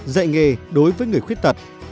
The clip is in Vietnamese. một dạy nghề đối với người khuyết tật